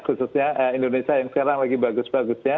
khususnya indonesia yang sekarang lagi bagus bagusnya